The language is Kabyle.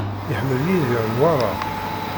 Iḥemmel Yidir Newwara.